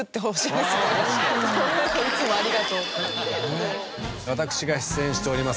誰か私が出演しております